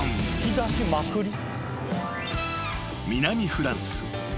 ［南フランス。